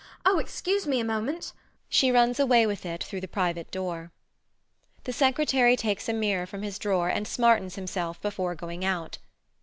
Oh! excuse me a moment [she runs away with it through the private door]. The Secretary takes a mirror from his drawer and smartens himself before going out.